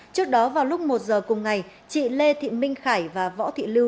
trước đó vào lúc một giờ cùng ngày chị lê thị minh khải và võ thị lưu